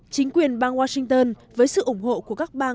chính quyền bang washington với sự ủng hộ của các bang